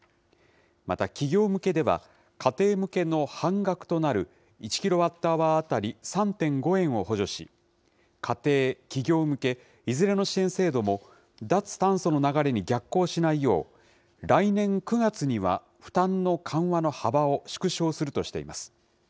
また企業向けでは、家庭向けの半額となる１キロワットアワー当たり３．５円を補助し、家庭・企業向け、いずれの支援制度も脱炭素の流れに逆行しないよう、来年９月には負担の緩和の幅を縮小するとしています。